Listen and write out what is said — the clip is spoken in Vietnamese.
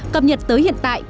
cập nhật tới hiện tại